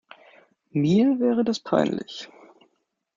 Mir wäre das peinlich.